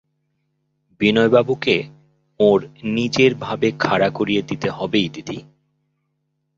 বিনয়বাবুকে ওঁর নিজের ভাবে খাড়া করিয়ে দিতে হবেই দিদি।